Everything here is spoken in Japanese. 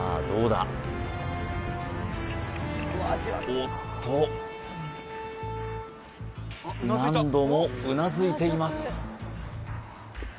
おっと何度もうなずいています